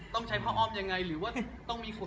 ต้องใช้พ่ออ้อมยังไง